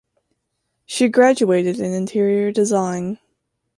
She graduated in interior design.